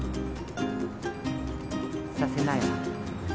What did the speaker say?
させないわ。